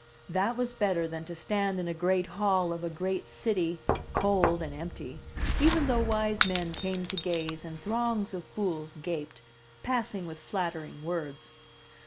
That was better than to stand in a great hall of a great city, cold and empty, even though wise men came to gaze and throngs of fools gaped, passing with flattering words.